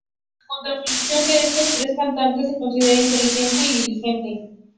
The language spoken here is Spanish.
La combinación de estos tres cantantes se considera ""inteligente" y "diligente"".